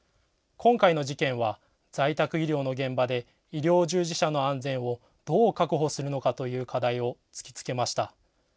今回の事件は在宅医療の現場で医療従事者の安全をどう確保するのかという課題を突きつけました。